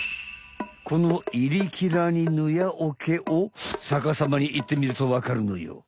この「いりきらにぬやおけ」を逆さまにいってみるとわかるのよ。